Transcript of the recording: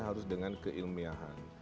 harus dengan keilmiahan